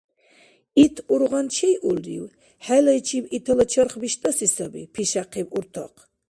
— Ит ургъан чейулрив? ХӀелайчиб итала чарх биштӀаси саби, — пишяхъиб уртахъ.